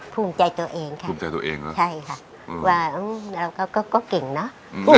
ภูมิใจตัวเองค่ะภูมิใจตัวเองเนอะใช่ค่ะว่าเราก็เก่งเนอะ